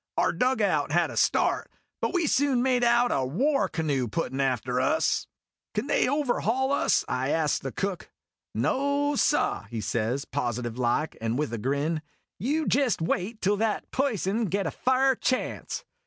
Our dugout had a start, but soon we made out a war canoe putting after us. "'ADOO, CHIEF! ' i SINGS OUT." " Can they overhaul us ?" I asks the Cook. " No, sah !" he says, positive like, and with a grin. " You jest wait till that p'ison git a fa'r chance!"